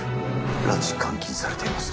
拉致監禁されています。